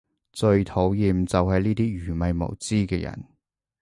最討厭就係呢啲愚昧無知嘅人